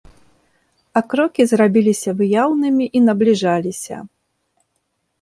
А крокі зрабіліся выяўнымі і набліжаліся.